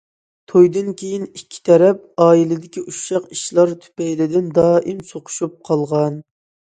تويدىن كېيىن ئىككى تەرەپ ئائىلىدىكى ئۇششاق ئىشلار تۈپەيلىدىن دائىم سوقۇشۇپ قالغان.